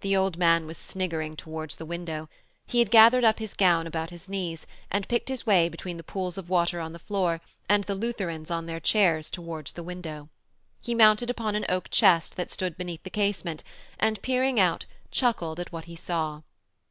The old man was sniggering towards the window. He had gathered up his gown about his knees and picked his way between the pools of water on the floor and the Lutherans on their chairs towards the window. He mounted upon an oak chest that stood beneath the casement and, peering out, chuckled at what he saw.